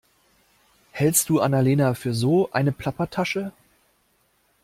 Hältst du Anna-Lena für so eine Plappertasche?